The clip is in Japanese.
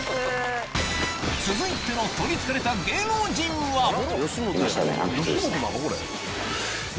続いての取り憑かれた芸能人は？